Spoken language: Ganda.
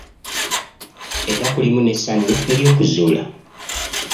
Era kulimu n'essanyu ery'okuzuula.